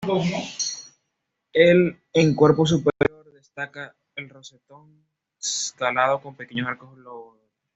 El en cuerpo superior destaca el rosetón calado con pequeños arcos lobulados.